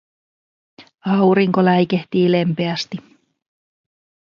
Aurinko läikehtii lempeästi.